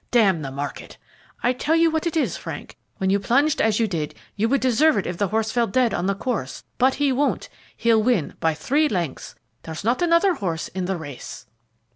Damn the market! I tell you what it is, Frank. When you plunged as you did, you would deserve it if the horse fell dead on the course; but he won't he'll win by three lengths. There's not another horse in the race."